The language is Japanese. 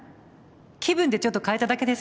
気分でちょっと変えただけです。